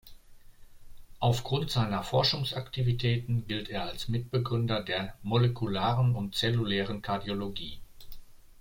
Aufgrund seiner Forschungsaktivitäten gilt er als Mitbegründer der molekularen und zellulären Kardiologie.